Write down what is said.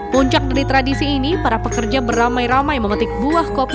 puncak dari tradisi ini para pekerja beramai ramai memetik buah kopi